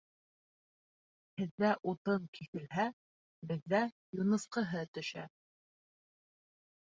Һеҙҙә утын киҫелһә, беҙҙә юнысҡыһы төшә.